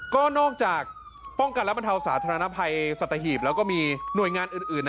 ก็นอกจากป้องกันและบรรเทาสาธารณภัยสัตหีบแล้วก็มีหน่วยงานอื่นนะ